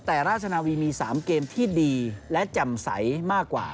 แต่ราชนาวีมี๓เกมที่ดีและแจ่มใสมากกว่า